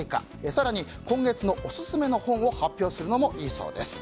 更に今月のオススメの本を発表するのもいいそうです。